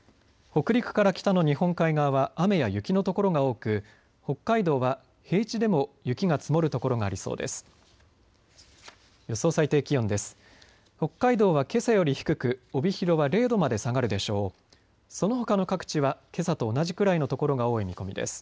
北陸から北の日本海側は雨の雪の所が多く北海道は平地でも雪が積もる所がありそうです。